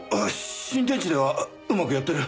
新天地ではうまくやってる？